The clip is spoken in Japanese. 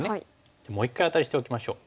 じゃあもう一回アタリしておきましょう。